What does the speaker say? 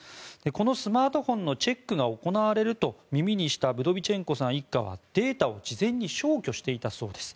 このスマートフォンのチェックが行われると耳にしたブドビチェンコさん一家はデータを事前に消去していたそうです。